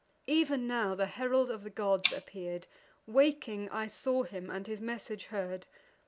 Ev'n now the herald of the gods appear'd: Waking I saw him, and his message heard.